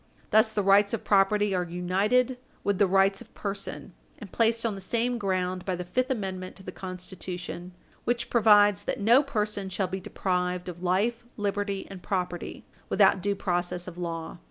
Thus, the rights of property are united with the rights of person, and placed on the same ground by the fifth amendment to the Constitution, which provides that no person shall be deprived of life, liberty, and property, without due process of law.